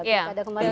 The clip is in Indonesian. pilkada kemarin ya